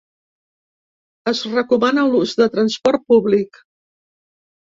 Es recomana l’ús de transport públic.